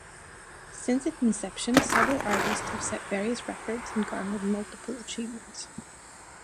Since its inception, several artists have set various records and garnered multiple achievements.